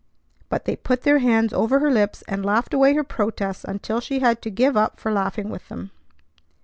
But they put their hands over her lips, and laughed away her protests until she had to give up for laughing with them.